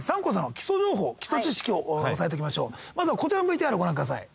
まずはこちらのＶＴＲご覧ください。